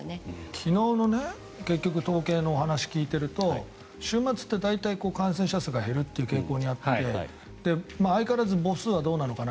昨日の統計のお話を聞いていると週末って大体、感染者数が減るという傾向にあって相変わらず母数はどうなのかな